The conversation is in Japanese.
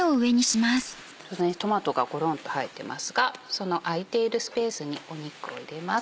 トマトがごろんと入っていますがその空いているスペースに肉を入れます。